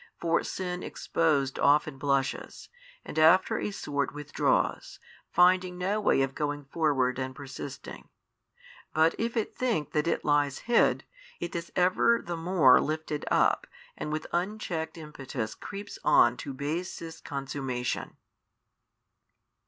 For sin exposed often blushes, and after a sort withdraws, finding no way of going forward and persisting: but if it think that it lies hid, it is ever the more lifted up and with unchecked impetus creeps on to basest consummation.